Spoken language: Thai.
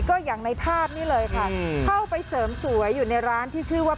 ก็อย่างในภาพนี้เลยค่ะเข้าไปเสริมสวยอยู่ในร้านที่ชื่อว่า